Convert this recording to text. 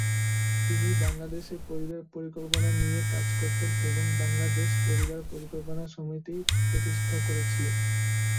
তিনি বাংলাদেশে পরিবার পরিকল্পনা নিয়ে কাজ করতেন এবং বাংলাদেশ পরিবার পরিকল্পনা সমিতি প্রতিষ্ঠা করেছিলেন।